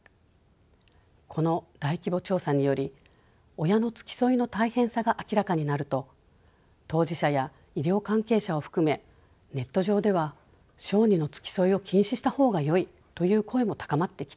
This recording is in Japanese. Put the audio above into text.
この大規模調査により親の付き添いの大変さが明らかになると当事者や医療関係者を含めネット上では小児の付き添いを禁止した方がよいという声も高まってきています。